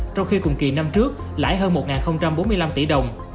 trong khi cùng kỳ năm trước lãi hơn một bốn mươi năm tỷ đồng